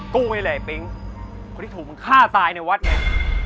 นี่แหละปิ๊งคนที่ถูกมึงฆ่าตายในวัดไง